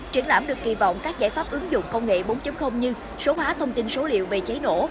triển lãm được kỳ vọng các giải pháp ứng dụng công nghệ bốn như số hóa thông tin số liệu về cháy nổ